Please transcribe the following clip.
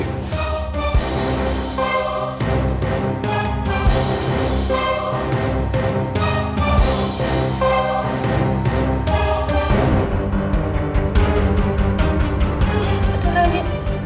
siapa tuh nanti